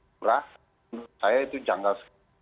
berat menurut saya itu janggal